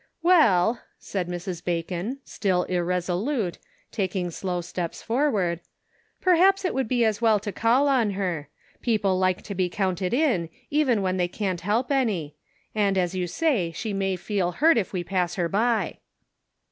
" Well, said Mrs. Bacon', still irresolute, tak ing slow steps forward* " perhaps it would be as well to call on her. People like to be counted in, even when they can't help any ; and, as you say, she may feel hurt if we pass her by."